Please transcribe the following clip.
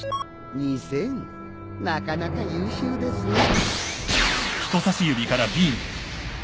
なかなか優秀ですね。